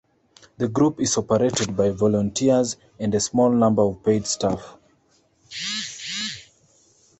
The group is operated by volunteers and a small number of paid staff.